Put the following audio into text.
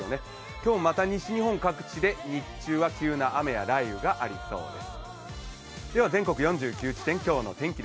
今日、また西日本各地で日中は急な雨や雷雨がありそうです。